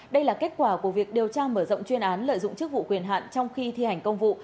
đây là kết quả của việc điều tra mở rộng chuyên án lợi dụng chức vụ quyền hạn trong khi thi hành công vụ